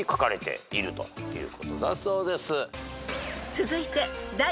［続いて］